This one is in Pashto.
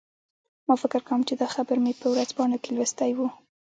ما فکر کوم چې دا خبر مې په ورځپاڼو کې لوستی و